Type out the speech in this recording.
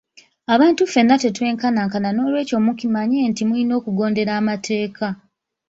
Abantu ffenna tetwenkanankana nolwekyo mukimanye nti muyina okugondera amateeka.